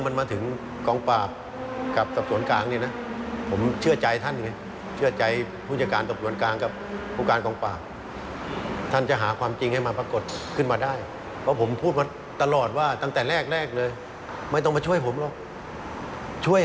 นี้มันต้องมีกองบอสให้ความช่วย